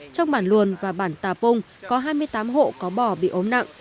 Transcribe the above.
trong bản luồn và bản tà pung có hai mươi tám hộ có bò bị ốm nặng